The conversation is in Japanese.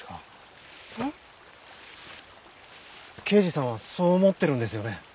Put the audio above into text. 刑事さんはそう思ってるんですよね？